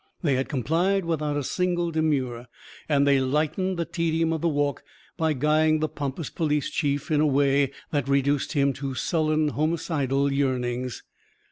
They had complied without a single demur. And they lightened the tedium of the walk by guying the pompous police chief in a way that reduced him to sullen homicidal yearnings.